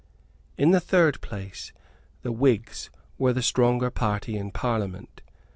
In the third place, the Whigs were the stronger party in Parliament.